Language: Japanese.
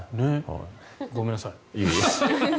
ごめんなさい。